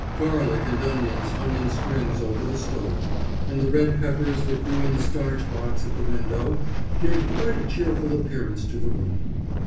Garlic and onions hung in strings over the stove, and the red peppers that grew in the starch box at the window gave quite a cheerful appearance to the room.